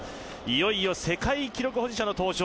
いよいよ世界記録保持者の登場。